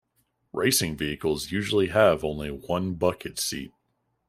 Racing vehicles usually have only one bucket seat.